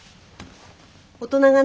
大人がね